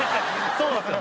そうなんですよ。